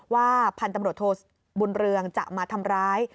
พันธุ์ตำรวจโทบุญเรืองจะมาทำร้าย